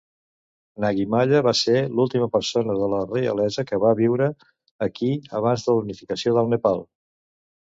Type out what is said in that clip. Nagi Malla va ser l'última persona de la reialesa que va viure aquí abans de la unificació del Nepal.